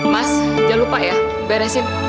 mas jangan lupa ya beresin